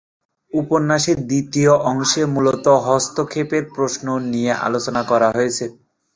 উপন্যাসের দ্বিতীয় অংশে মূলত হস্তক্ষেপের প্রশ্ন নিয়ে আলোচনা করা হয়েছে।